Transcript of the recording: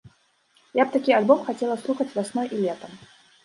Я б такі альбом хацела слухаць вясной і летам.